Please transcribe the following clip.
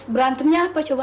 berantemnya apa coba